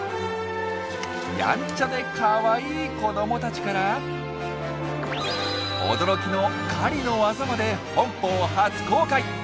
やんちゃでかわいい子どもたちから驚きの狩りの技まで本邦初公開！